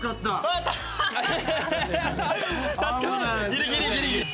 ギリギリギリギリ。